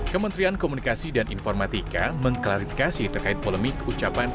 kementerian komunikasi dan informatika mengklarifikasi terkait polemik ucapan